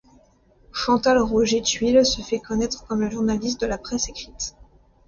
Chantal Roger Tuile se fait connaître comme journaliste de la presse écrite.